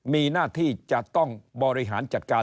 มีหน้าที่จะต้องบริหารจัดการ